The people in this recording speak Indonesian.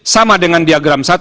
sama dengan diagram satu